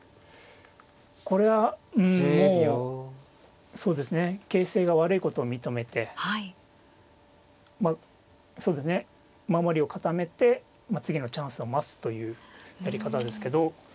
これはうんもう形勢が悪いことを認めてまあ守りを固めて次のチャンスを待つというやり方ですけど。